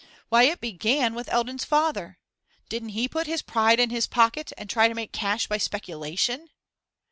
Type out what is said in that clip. Why, it began with Eldon's father didn't he put his pride in his pocket, and try to make cash by speculation?